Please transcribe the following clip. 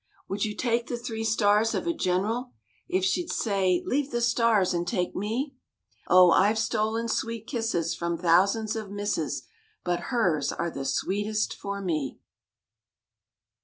Would you take the three stars of a general If she'd say "Leave the stars and take me?" Oh! I've stolen sweet kisses from thousands of misses, But her's are the sweetest for me!